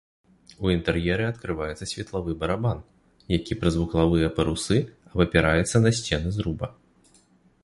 У інтэр'еры адкрываецца светлавы барабан, які праз вуглавыя парусы абапіраецца на сцены зруба.